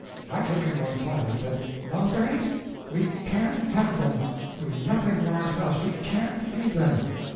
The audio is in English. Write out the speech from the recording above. I took him one side and said, 'Mulberry we can't have them—we've nothing for ourselves—we can't feed them.